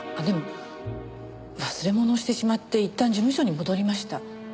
でも忘れ物をしてしまっていったん事務所に戻りました。